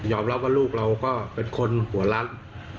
รับว่าลูกเราก็เป็นคนหัวรัด